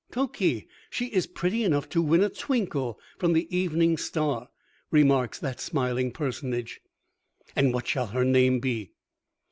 "Tokee! she is pretty enough to win a twinkle from the evening star," remarks that smiling personage. "And what shall her name be?